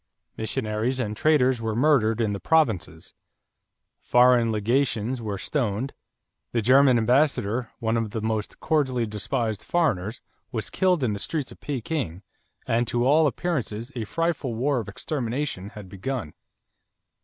Missionaries and traders were murdered in the provinces; foreign legations were stoned; the German ambassador, one of the most cordially despised foreigners, was killed in the streets of Peking; and to all appearances a frightful war of extermination had begun.